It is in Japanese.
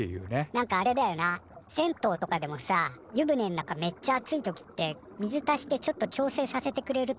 何かあれだよな銭湯とかでもさ湯船ん中めっちゃ熱い時って水足してちょっと調整させてくれるとこもあんじゃん？